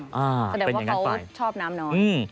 แสดงว่าเขาชอบน้ำน้อย